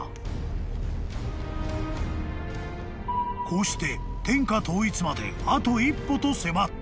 ［こうして天下統一まであと一歩と迫った］